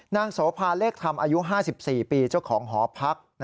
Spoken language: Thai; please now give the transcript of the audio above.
โสภาเลขธรรมอายุ๕๔ปีเจ้าของหอพัก